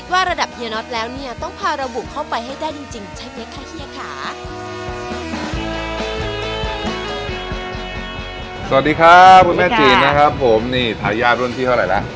สวัสดีครับพุทธแม่จีนนะครับผมนี่ถ่าย่ารุ่นที่เท่าไหร่ละ